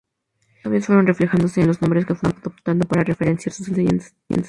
Estos cambios fueron reflejándose en los nombres que fue adoptando para referenciar sus enseñanzas.